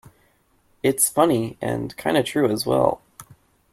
It's funny, and kinda true as well!